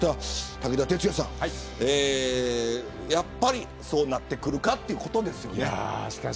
武田鉄矢さん、やっぱりそうなってくるかということですね。